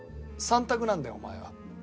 ３択なんだよお前は。